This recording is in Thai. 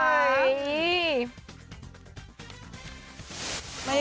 อะไรกัน